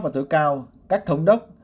và tối cao các thống đốc